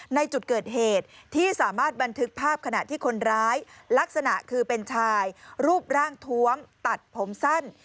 ในจุดเกิดเหตุที่สามารถบันทึกภาพขณะที่คนร้ายลักษณะคือเป็นชายรูปร่างทวมตัดผมสั้น